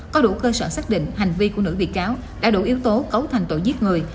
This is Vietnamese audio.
có đủ cơ sở xác định hành vi của nữ bị cáo đã đủ yếu tố cấu thành tội giết người